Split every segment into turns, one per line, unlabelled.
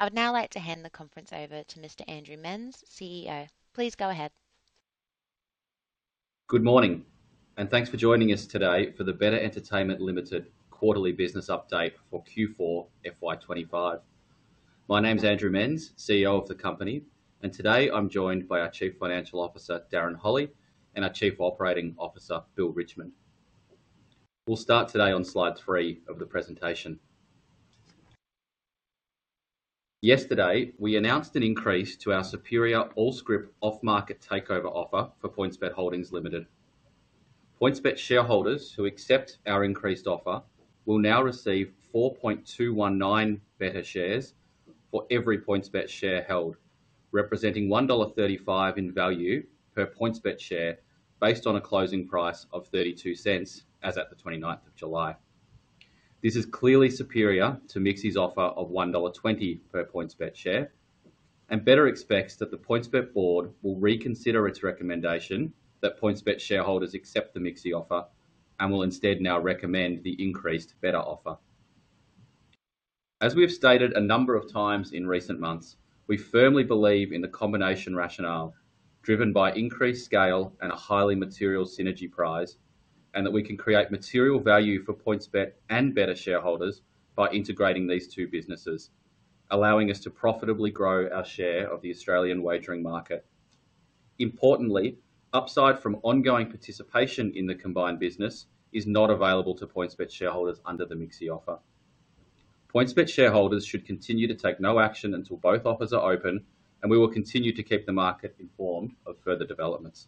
I would now like to hand the conference over to Mr. Andrew Menz, CEO. Please go ahead.
Good morning, and thanks for joining us today for the betr Entertainment Limited quarterly business update for Q4 FY 2025. My name is Andrew Menz, CEO of the company, and today I'm joined by our Chief Financial Officer, Darren Holley, and our Chief Operating Officer, Bill Richmond. We'll start today on slide three of the presentation. Yesterday, we announced an increase to our superior all-scrip off-market takeover offer for PointsBet Holdings Limited. PointsBet shareholders who accept our increased offer will now receive 4.219 betr shares for every PointsBet share held, representing $1.35 in value per PointsBet share based on a closing price of $0.32 as at the 29th of July. This is clearly superior to MIXI's offer of $1.20 per PointsBet share, and betr expects that the PointsBet Board will reconsider its recommendation that PointsBet shareholders accept the MIXI offer and will instead now recommend the increased betr offer. As we've stated a number of times in recent months, we firmly believe in the combination rationale driven by increased scale and a highly material synergy prize, and that we can create material value for PointsBet and betr shareholders by integrating these two businesses, allowing us to profitably grow our share of the Australian wagering market. Importantly, upside from ongoing participation in the combined business is not available to PointsBet shareholders under the MIXI offer. PointsBet shareholders should continue to take no action until both offers are open, and we will continue to keep the market informed of further developments.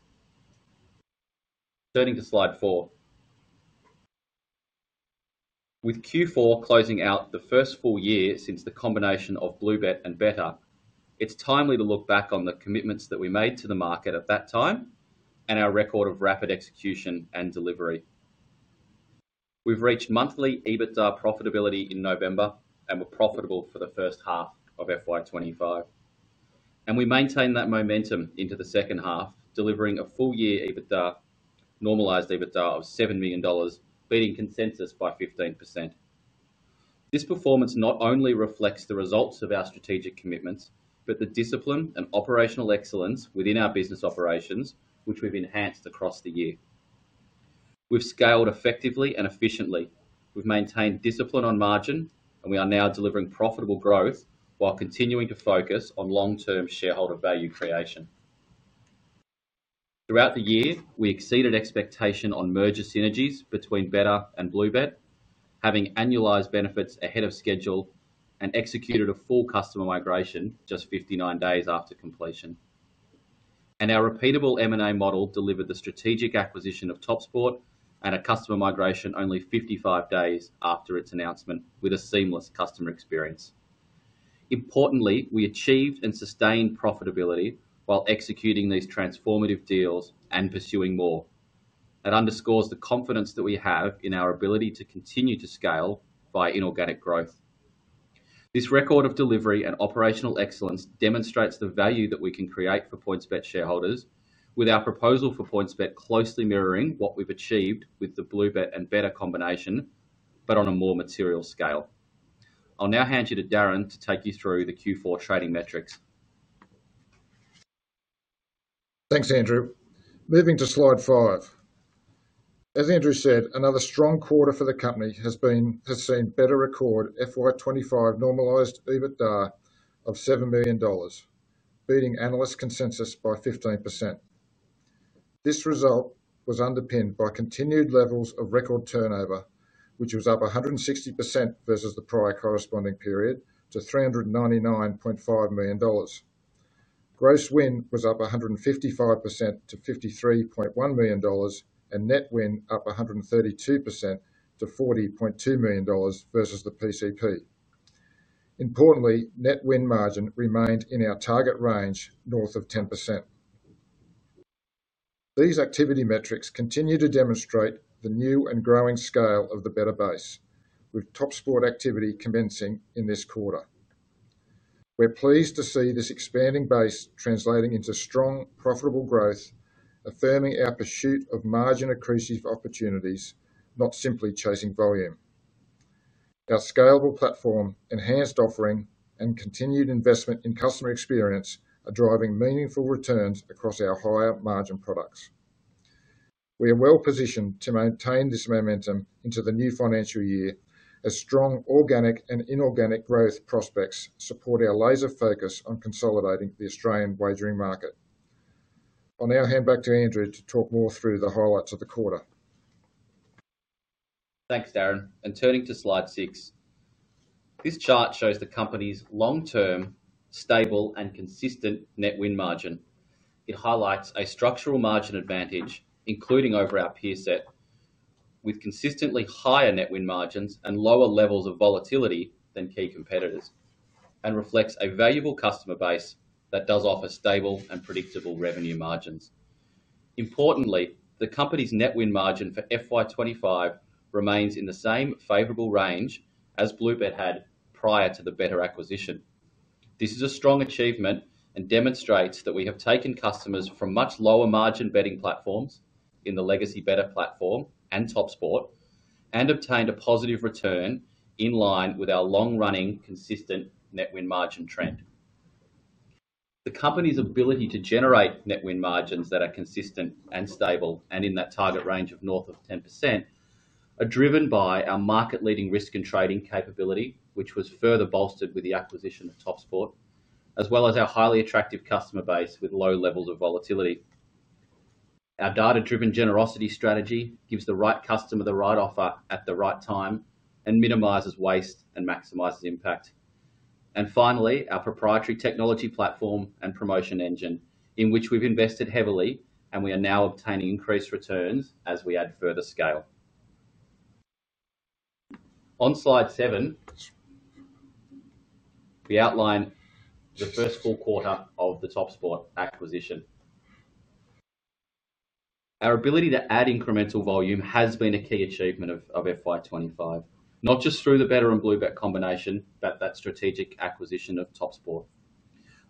Turning to slide four, with Q4 closing out the first full year since the combination of BlueBet and betr, it's timely to look back on the commitments that we made to the market at that time and our record of rapid execution and delivery. We've reached monthly EBITDA profitability in November and were profitable for the first half of FY 2025, and we maintained that momentum into the second half, delivering a full-year EBITDA, normalised EBITDA of $7 million, beating consensus by 15%. This performance not only reflects the results of our strategic commitments, but the discipline and operational excellence within our business operations, which we've enhanced across the year. We've scaled effectively and efficiently, we've maintained discipline on margin, and we are now delivering profitable growth while continuing to focus on long-term shareholder value creation. Throughout the year, we exceeded expectation on merger synergies between betr and BlueBet, having annualized benefits ahead of schedule and executed a full customer migration just 59 days after completion. Our repeatable M&A model delivered the strategic acquisition of TopSport and a customer migration only 55 days after its announcement, with a seamless customer experience. Importantly, we achieved and sustained profitability while executing these transformative deals and pursuing more. That underscores the confidence that we have in our ability to continue to scale by inorganic growth. This record of delivery and operational excellence demonstrates the value that we can create for PointsBet shareholders, with our proposal for PointsBet closely mirroring what we've achieved with the BlueBet and betr combination, but on a more material scale. I'll now hand you to Darren to take you through the Q4 trading metrics.
Thanks, Andrew. Moving to slide five, as Andrew said, another strong quarter for the company has seen betr record FY 2025 normalised EBITDA of $7 million, beating analyst consensus by 15%. This result was underpinned by continued levels of record turnover, which was up 160% versus the prior corresponding period to $399.5 million. Gross win was up 155% to $53.1 million, and net win up 132% to $40.2 million versus the PCP. Importantly, net win margin remained in our target range north of 10%. These activity metrics continue to demonstrate the new and growing scale of the betr base, with TopSport activity commencing in this quarter. We're pleased to see this expanding base translating into strong profitable growth, affirming our pursuit of margin accretive opportunities, not simply chasing volume. Our scalable platform, enhanced offering, and continued investment in customer experience are driving meaningful returns across our higher margin products. We are well-positioned to maintain this momentum into the new financial year, as strong organic and inorganic growth prospects support our laser focus on consolidating the Australian wagering market. I'll now hand back to Andrew to talk more through the highlights of the quarter.
Thanks, Darren. Turning to slide six, this chart shows the company's long-term, stable, and consistent net win margin. It highlights a structural margin advantage, including over our peer set, with consistently higher net win margins and lower levels of volatility than key competitors, and reflects a valuable customer base that does offer stable and predictable revenue margins. Importantly, the company's net win margin for FY 2025 remains in the same favorable range as BlueBet had prior to the betr acquisition. This is a strong achievement and demonstrates that we have taken customers from much lower margin betting platforms in the legacy betr platform and TopSport, and obtained a positive return in line with our long-running consistent net win margin trend. The company's ability to generate net win margins that are consistent and stable and in that target range of north of 10% are driven by our market-leading risk and trading capability, which was further bolstered with the acquisition of TopSport, as well as our highly attractive customer base with low levels of volatility. Our data-driven generosity strategy gives the right customer the right offer at the right time and minimizes waste and maximizes impact. Finally, our proprietary technology platform and promotion engine, in which we've invested heavily, and we are now obtaining increased returns as we add further scale. On slide seven, we outline the first full quarter of the TopSport acquisition. Our ability to add incremental volume has been a key achievement of FY 2025, not just through the betr and BlueBet combination, but that strategic acquisition of TopSport.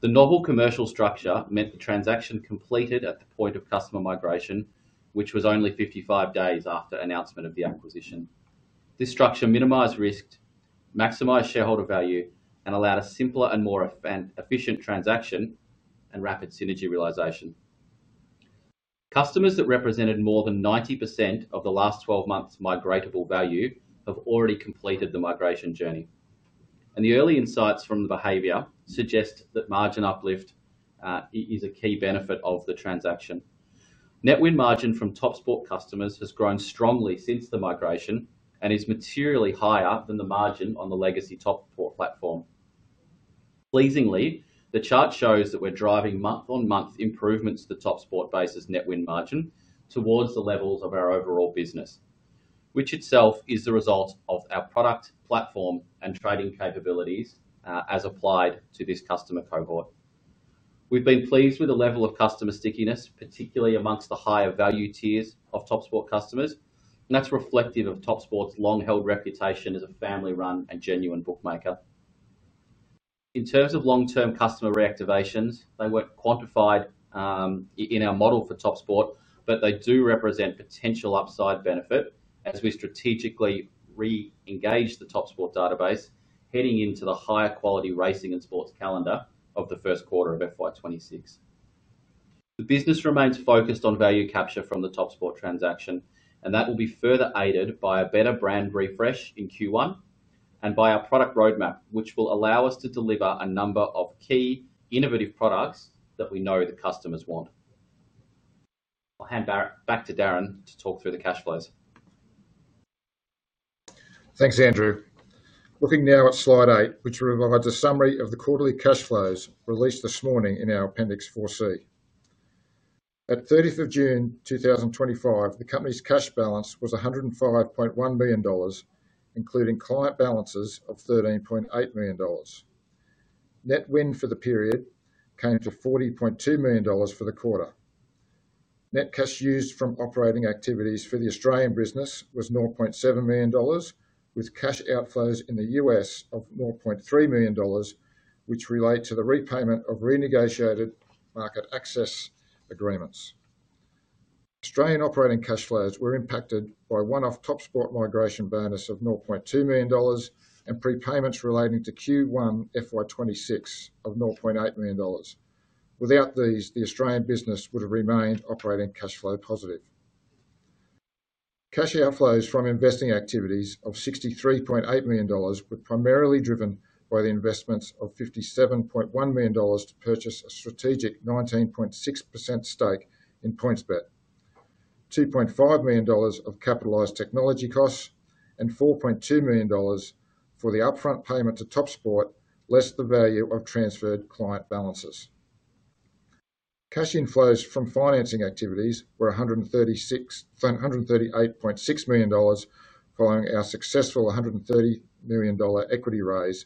The novel commercial structure meant the transaction completed at the point of customer migration, which was only 55 days after announcement of the acquisition. This structure minimized risk, maximized shareholder value, and allowed a simpler and more efficient transaction and rapid synergy realization. Customers that represented more than 90% of the last 12 months' migratable value have already completed the migration journey, and the early insights from the behavior suggest that margin uplift is a key benefit of the transaction. Net win margin from TopSport customers has grown strongly since the migration and is materially higher than the margin on the legacy TopSport platform. Pleasingly, the chart shows that we're driving month-on-month improvements to the TopSport base's net win margin towards the levels of our overall business, which itself is the result of our product, platform, and trading capabilities as applied to this customer cohort. We've been pleased with the level of customer stickiness, particularly amongst the higher value tiers of TopSport customers, and that's reflective of TopSport's long-held reputation as a family-run and genuine bookmaker. In terms of long-term customer reactivations, they weren't quantified in our model for TopSport, but they do represent potential upside benefit as we strategically re-engage the TopSport database, heading into the higher quality racing and sports calendar of the first quarter of FY 2026. The business remains focused on value capture from the TopSport transaction, and that will be further aided by a betr brand refresh in Q1 and by our product roadmap, which will allow us to deliver a number of key innovative products that we know the customers want. I'll hand back to Darren to talk through the cash flows.
Thanks, Andrew. Looking now at slide eight, which will provide a summary of the quarterly cash flows released this morning in our Appendix 4C. At June 30, 2025, the company's cash balance was $105.1 million, including client balances of $13.8 million. Net win for the period came to $40.2 million for the quarter. Net cash used from operating activities for the Australian business was $0.7 million, with cash outflows in the U.S. of $0.3 million, which relate to the repayment of renegotiated market access agreements. Australian operating cash flows were impacted by one-off TopSport migration bonus of $0.2 million and prepayments relating to Q1 FY 2026 of $0.8 million. Without these, the Australian business would have remained operating cash flow positive. Cash outflows from investing activities of $63.8 million were primarily driven by the investments of $57.1 million to purchase a strategic 19.6% stake in PointsBet, $2.5 million of capitalized technology costs, and $4.2 million for the upfront payment to TopSport less the value of transferred client balances. Cash inflows from financing activities were $138.6 million following our successful $130 million equity raise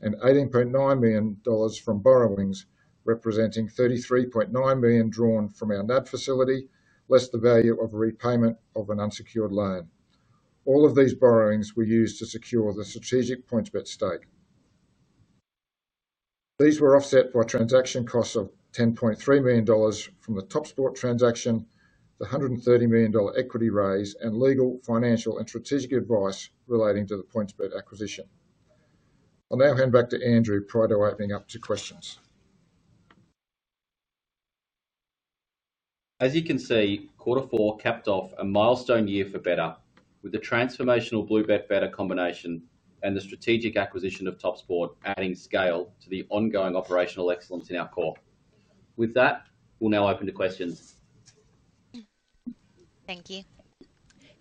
and $18.9 million from borrowings, representing $33.9 million drawn from our NAD facility less the value of a repayment of an unsecured loan. All of these borrowings were used to secure the strategic PointsBet stake. These were offset by transaction costs of $10.3 million from the TopSport transaction, the $130 million equity raise, and legal, financial, and strategic advice relating to the PointsBet acquisition. I'll now hand back to Andrew prior to opening up to questions.
As you can see, quarter four capped off a milestone year for betr, with the transformational BlueBet-betr combination and the strategic acquisition of TopSport adding scale to the ongoing operational excellence in our core. With that, we'll now open to questions.
Thank you.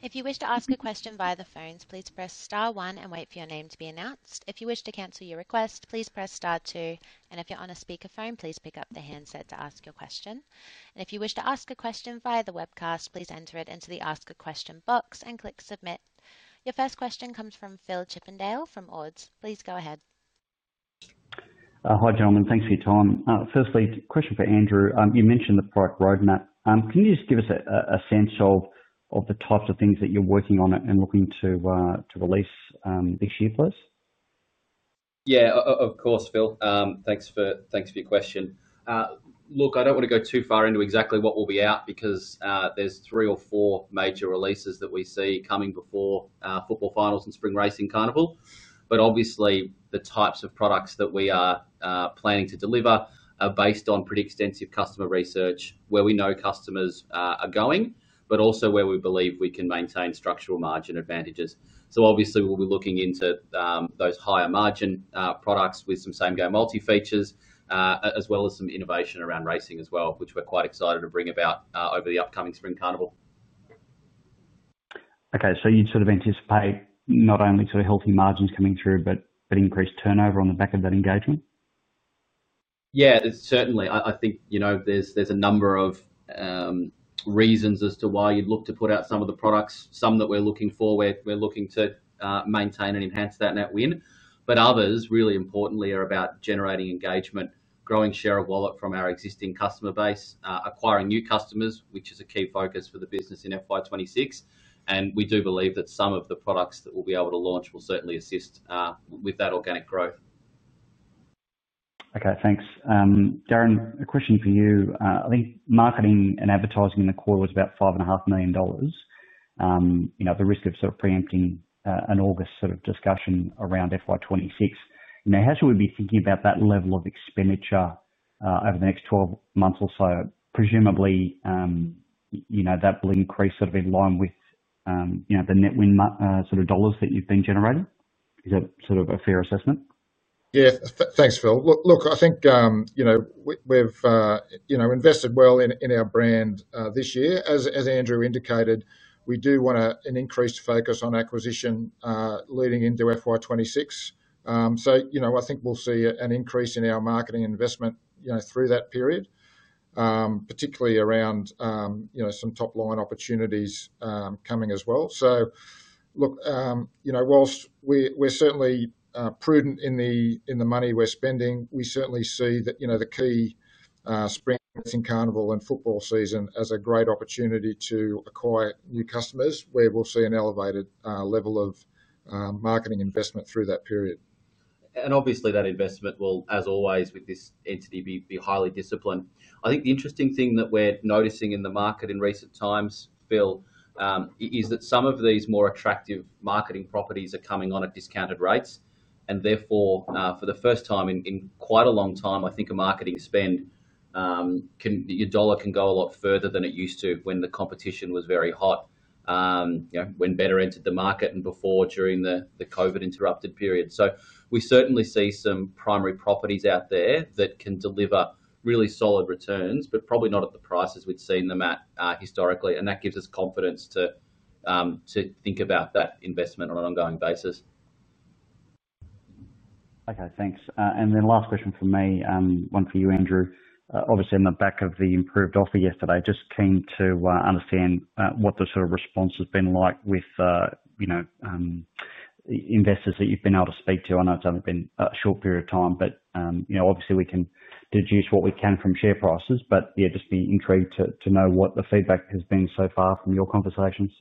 If you wish to ask a question via the phones, please press star one and wait for your name to be announced. If you wish to cancel your request, please press star two. If you're on a speaker phone, please pick up the handset to ask your question. If you wish to ask a question via the webcast, please enter it into the ask a question box and click submit. Your first question comes from Phil Chippendale from Ord. Please go ahead.
Hi gentlemen, thanks for your time. Firstly, question for Andrew. You mentioned the product roadmap. Can you just give us a sense of the types of things that you're working on and looking to release this year, please?
Yeah, of course, Phil. Thanks for your question. I don't want to go too far into exactly what will be out because there's three or four major releases that we see coming before football finals and spring racing carnival. Obviously, the types of products that we are planning to deliver are based on pretty extensive customer research where we know customers are going, but also where we believe we can maintain structural margin advantages. We'll be looking into those higher margin products with some same-game multis features, as well as some innovation around racing as well, which we're quite excited to bring about over the upcoming spring carnival.
Okay, so you'd sort of anticipate not only sort of healthy margins coming through, but increased turnover on the back of that engagement?
Yeah, certainly. I think there's a number of reasons as to why you'd look to put out some of the products, some that we're looking for. We're looking to maintain and enhance that net win. Others, really importantly, are about generating engagement, growing share of wallet from our existing customer base, acquiring new customers, which is a key focus for the business in FY 2026. We do believe that some of the products that we'll be able to launch will certainly assist with that organic growth.
Okay, thanks. Darren, a question for you. I think marketing and advertising in the quarter was about $5.5 million. The risk of sort of preempting an August sort of discussion around FY 2026, how should we be thinking about that level of expenditure over the next 12 months or so? Presumably, that will increase in line with the net win dollars that you've been generating. Is that a fair assessment?
Yeah, thanks, Phil. I think we've invested well in our brand this year. As Andrew indicated, we do want an increased focus on acquisition leading into FY 2026. I think we'll see an increase in our marketing investment through that period, particularly around some top-line opportunities coming as well. Whilst we're certainly prudent in the money we're spending, we certainly see the key spring and carnival and football season as a great opportunity to acquire new customers where we'll see an elevated level of marketing investment through that period.
Obviously, that investment will, as always with this entity, be highly disciplined. I think the interesting thing that we're noticing in the market in recent times, Phil, is that some of these more attractive marketing properties are coming on at discounted rates. Therefore, for the first time in quite a long time, I think a marketing spend, your dollar can go a lot further than it used to when the competition was very hot, you know, when betr entered the market and before, during the COVID-interrupted period. We certainly see some primary properties out there that can deliver really solid returns, but probably not at the prices we've seen them at historically. That gives us confidence to think about that investment on an ongoing basis.
Okay, thanks. Last question for me, one for you, Andrew. Obviously, on the back of the improved offer yesterday, just keen to understand what the sort of response has been like with investors that you've been able to speak to. I know it's only been a short period of time, but obviously we can deduce what we can from share prices, but yeah, just be intrigued to know what the feedback has been so far from your conversations.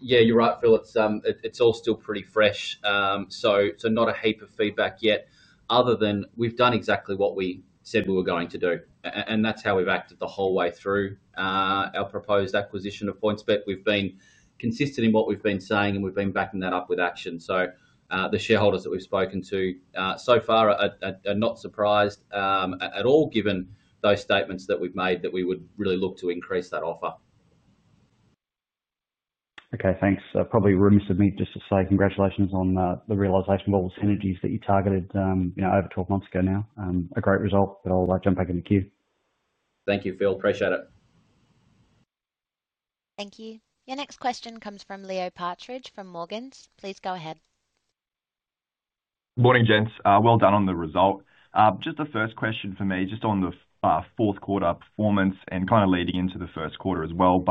Yeah, you're right, Phil. It's all still pretty fresh, so not a heap of feedback yet, other than we've done exactly what we said we were going to do. That's how we've acted the whole way through our proposed acquisition of PointsBet. We've been consistent in what we've been saying, and we've been backing that up with action. The shareholders that we've spoken to so far are not surprised at all, given those statements that we've made that we would really look to increase that offer.
Okay, thanks. Probably room to submit just to say congratulations on the realisation of all the synergies that you targeted over 12 months ago now. A great result, I'll jump back in the queue.
Thank you, Phil. Appreciate it.
Thank you. Your next question comes from Leo Partridge from Morgans. Please go ahead.
Morning, gents. Well done on the result. Just the first question for me, just on the fourth quarter performance and kind of leading into the first quarter as well.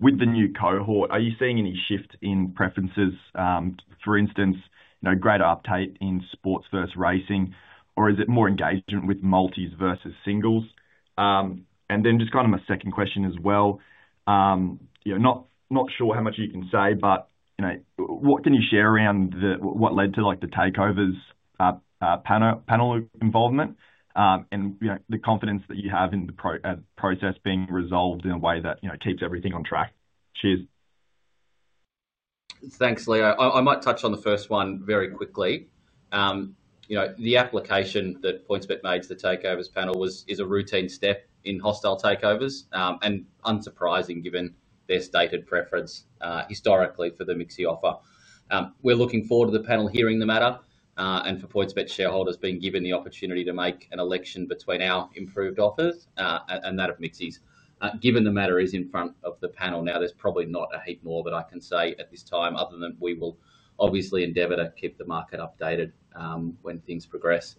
With the new cohort, are you seeing any shift in preferences? For instance, you know, greater uptake in sports versus racing, or is it more engagement with multis versus singles? Just kind of my second question as well. Not sure how much you can say, but you know, what can you share around what led to the Takeovers Panel involvement and the confidence that you have in the process being resolved in a way that keeps everything on track? Cheers.
Thanks, Leo. I might touch on the first one very quickly. The application that PointsBet made to the Takeovers Panel is a routine step in hostile Takeovers and unsurprising given their stated preference historically for the MIXI offer. We're looking forward to the panel hearing the matter and for PointsBet shareholders being given the opportunity to make an election between our improved offers and that of MIXI's. Given the matter is in front of the panel now, there's probably not a heap more that I can say at this time other than we will obviously endeavor to keep the market updated when things progress.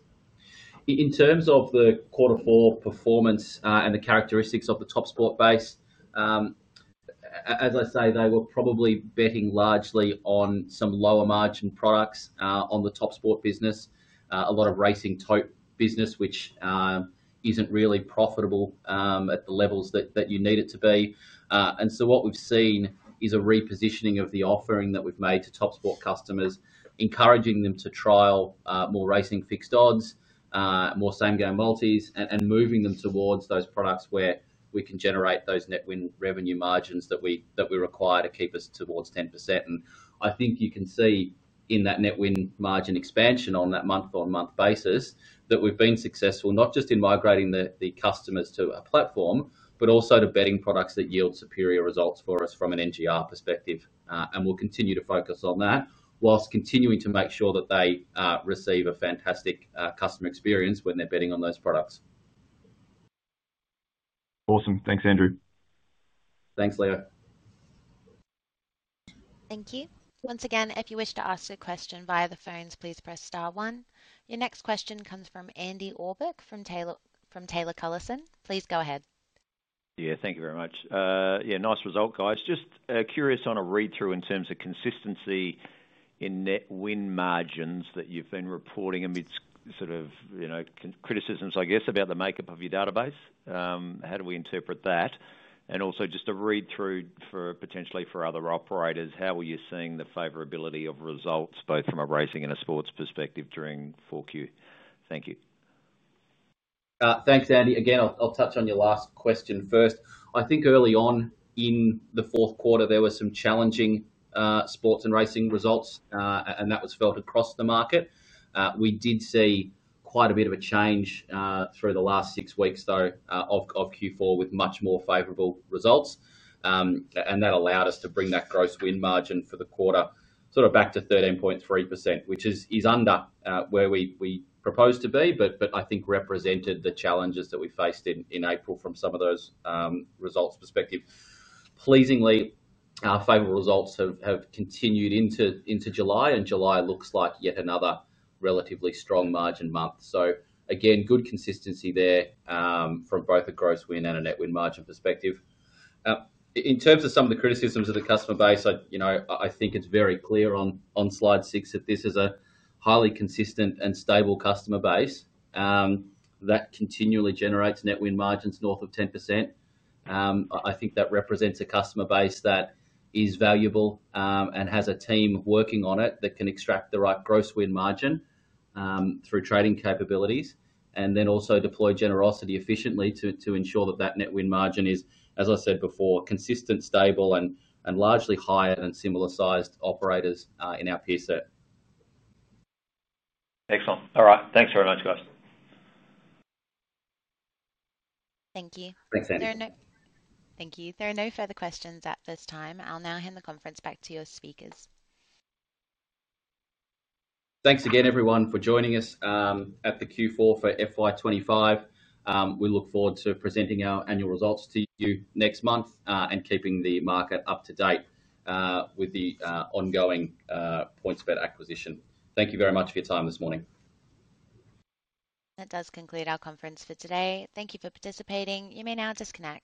In terms of the quarter four performance and the characteristics of the TopSport base, as I say, they were probably betting largely on some lower margin products on the TopSport business, a lot of racing tote business, which isn't really profitable at the levels that you need it to be. What we've seen is a repositioning of the offering that we've made to TopSport customers, encouraging them to trial more racing fixed odds, more same-game multis, and moving them towards those products where we can generate those net win revenue margins that we require to keep us towards 10%. I think you can see in that net win margin expansion on that month-on-month basis that we've been successful not just in migrating the customers to a platform, but also to betting products that yield superior results for us from an NGR perspective. We'll continue to focus on that whilst continuing to make sure that they receive a fantastic customer experience when they're betting on those products.
Awesome. Thanks, Andrew.
Thanks, Leo.
Thank you. Once again, if you wish to ask a question via the phones, please press star one. Your next question comes from Andy Orbach from Taylor Collison. Please go ahead.
Thank you very much. Nice result, guys. Just curious on a read-through in terms of consistency in net win margins that you've been reporting amidst criticisms, I guess, about the makeup of your database. How do we interpret that? Also, just a read-through for potentially for other operators, how are you seeing the favourability of results both from a racing and a sports perspective during 4Q? Thank you.
Thanks, Andy. I'll touch on your last question first. I think early on in the fourth quarter, there were some challenging sports and racing results, and that was felt across the market. We did see quite a bit of a change through the last six weeks of Q4 with much more favorable results. That allowed us to bring that gross win margin for the quarter back to 13.3%, which is under where we proposed to be, but I think represented the challenges that we faced in April from some of those results perspective. Pleasingly, our favorable results have continued into July, and July looks like yet another relatively strong margin month. Good consistency there from both a gross win and a net win margin perspective. In terms of some of the criticisms of the customer base, I think it's very clear on slide six that this is a highly consistent and stable customer base that continually generates net win margins north of 10%. I think that represents a customer base that is valuable and has a team working on it that can extract the right gross win margin through trading capabilities and also deploy generosity efficiently to ensure that that net win margin is, as I said before, consistent, stable, and largely higher than similar sized operators in our peer set.
Excellent. All right, thanks very much, guys.
Thank you.
Thanks, Andy.
Thank you. There are no further questions at this time. I'll now hand the conference back to your speakers.
Thanks again, everyone, for joining us at the Q4 for FY 2025. We look forward to presenting our annual results to you next month and keeping the market up to date with the ongoing PointsBet acquisition. Thank you very much for your time this morning.
That does conclude our conference for today. Thank you for participating. You may now disconnect.